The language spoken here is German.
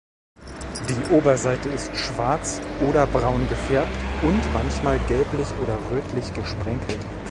Die Oberseite ist schwarz oder braun gefärbt und manchmal gelblich oder rötlich gesprenkelt.